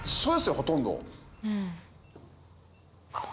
ほとんど。